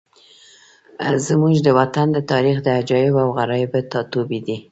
زموږ وطن د تاریخ د عجایبو او غرایبو ټاټوبی دی.